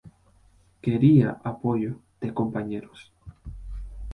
Quería apoyo de compañeros"".